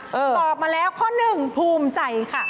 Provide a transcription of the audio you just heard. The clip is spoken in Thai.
ตอบมาแล้วข้อหนึ่งภูมิใจค่ะ